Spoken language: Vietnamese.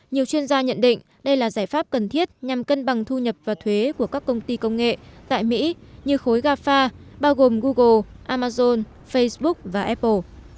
nhiều chuyên gia nhận định đây là giải pháp cần thiết nhằm cân bằng thu nhập và thuế của các công ty công nghệ tại mỹ như khối rafah bao gồm google amazon facebook và apple